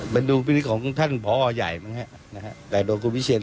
เป็นยูนิของคุณปิเชียน